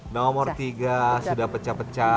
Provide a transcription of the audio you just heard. nomor tiga sudah pecah pecah